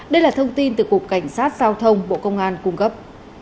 đây là thông tin từ cục cảnh sát giao thông bộ công an cung cấp